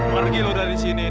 pergi lu dari sini